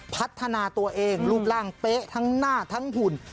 พัฒนาตัวเองรูปร่างเป๊ะทั้งหน้าทั้งหุ่น